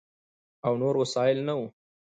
او نور وسایل نه ؤ،